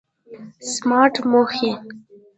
سمارټ موخې